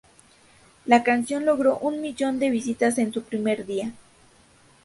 La canción logró un millón de visitas en su primer día.